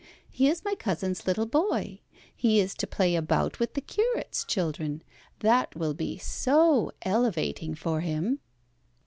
He is my cousin's little boy. He is to play about with the curate's children. That will be so elevating for him."